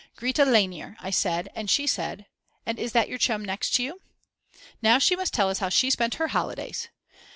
Grete Lainer I said and she said: And is that your chum next you? Now she must tell us how she spent her holidays.